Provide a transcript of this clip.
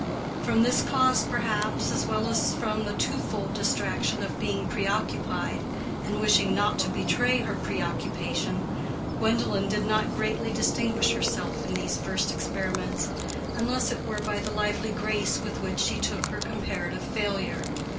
From this cause, perhaps, as well as from the twofold distraction of being preoccupied and wishing not to betray her preoccupation, Gwendolen did not greatly distinguish herself in these first experiments, unless it were by the lively grace with which she took her comparative failure.